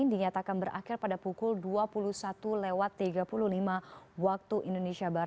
dinyatakan berakhir pada pukul dua puluh satu tiga puluh lima wib